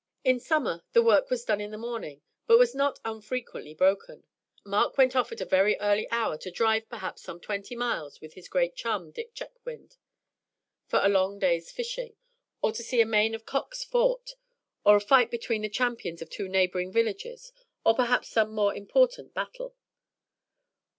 In summer the work was done in the morning, but was not unfrequently broken. Mark went off at a very early hour to drive perhaps some twenty miles with his great chum, Dick Chetwynd, for a long day's fishing, or to see a main of cocks fought or a fight between the champions of two neighboring villages, or perhaps some more important battle.